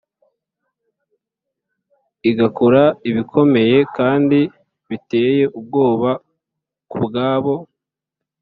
igakora ibikomeye kandi biteye ubwoba ku bwabo